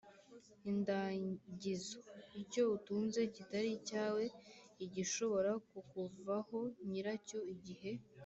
indagizo: icyo utunze kitari icyawe, igishobora kukuvaho nyiracyo igihe